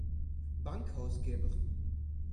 Bankhaus Gebr.